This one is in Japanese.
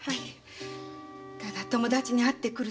ただ「友達に会ってくる」とだけ。